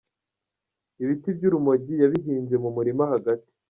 Ibiti by’urumogi yabihinze mu murima rwagati.